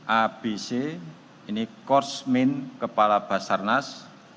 abc ini korsmin kepala basarnas